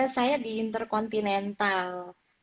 saya di interkontinental